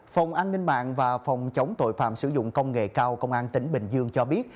phòng an ninh mạng và phòng chống tội phạm sử dụng công nghệ cao công an tỉnh bình dương cho biết